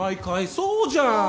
そうじゃん。